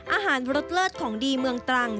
อาหารเลิศของดีเมืองตรัง